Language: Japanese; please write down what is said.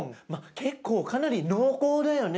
結構かなり濃厚だよね。